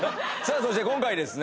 そして今回ですね